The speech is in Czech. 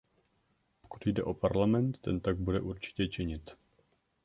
Pokud jde o Parlament, ten tak bude určitě činit.